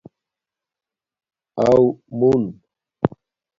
اݸ مُون